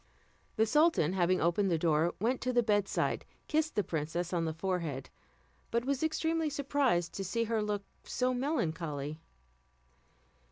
The sultan having opened the door, went to the bedside, kissed the princess on the forehead, but was extremely surprised to see her look so melancholy.